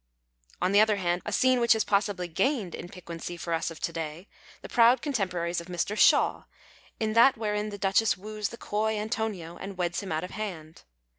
On the other hand, a scene which has possibly gained in piquancy for us of to day, the j)roud contemporaries of Mr. Shaw, is that wherein the Duchess woos the coy Antonio and weds him out of hand.